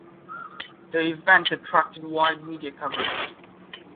The event attracted wide media coverage.